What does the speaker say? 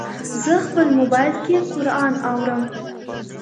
زه خپل موبایل کې قرآن اورم.